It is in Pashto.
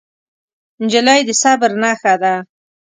نجلۍ د صبر نښه ده.